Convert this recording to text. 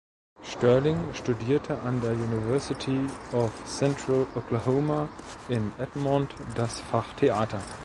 Sterling studierte an der University of Central Oklahoma in Edmond das Fach Theater.